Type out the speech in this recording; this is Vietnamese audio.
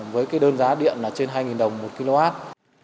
với đơn giá điện là trên hai đồng một kwh